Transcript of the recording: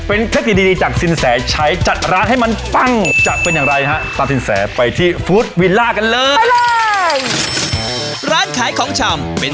เอ้าเดี๋ยวอะไรชี้อะไรคือเมื่อกี้ตอนหิวก็เลยกินหมดเลย